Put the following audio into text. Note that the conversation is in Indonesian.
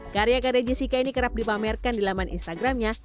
karya karya jessica ini kerap dipamerkan di laman instagramnya